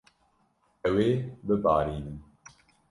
Ew ê bibarînin.